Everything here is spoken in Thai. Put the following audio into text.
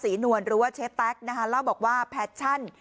นวลหรือว่าเชฟแต๊กนะคะเล่าบอกว่าแพชชั่น